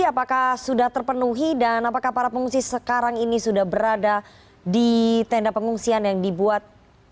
apakah sudah terpenuhi dan apakah para pengungsi sekarang ini sudah berada di tenda pengungsian yang dibuat